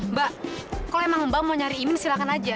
mbak kalau emang mbak mau nyari imin silahkan aja